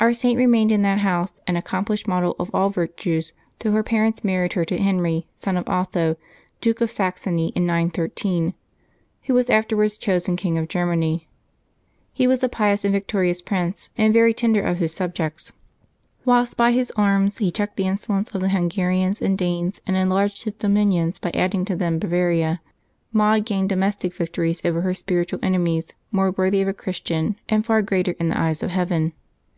Our Saint remained m that house, an accomplished model of all virtues, till her parents mar ried her to Henry, son of 0th 0, Duke of Saxony, in 913, who was afterwards chosen king of Germany. He was a pious and victorious prince, and very tender of his sub jects. Whilst by his arms he checked the insolence of the Hungarians and Danes, and enlarged his dominions by adding to them Bavaria, Maud gained domestic victories over her spiritual enemies more worthy of a Christian and far greater in the eyes of Heaven.